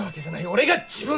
俺が自分で！